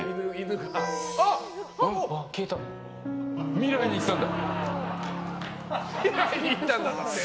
未来に行ったんだ！